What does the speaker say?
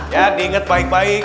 ya diinget baik baik